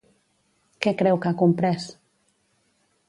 Què creu que ha comprès?